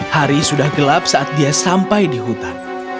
hari sudah gelap saat dia sampai di hutan